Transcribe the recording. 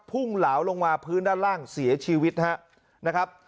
หลาวลงมาพื้นด้านล่างเสียชีวิตนะครับ